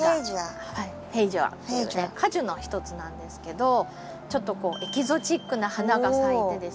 フェイジョア果樹のひとつなんですけどちょっとこうエキゾチックな花が咲いてですね